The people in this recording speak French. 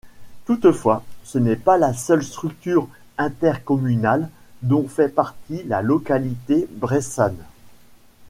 Toutefois, ce n'est pas la seule structure intercommunale dont fait partie la localité bressane.